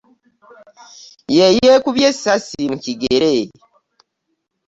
Ye yeekubye essasi mu kigere.